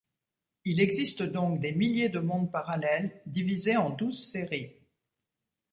Il existe donc des milliers de mondes parallèles divisés en douze séries.